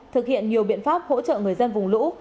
thực hiện nhiều biện pháp hỗ trợ người dân vùng lũ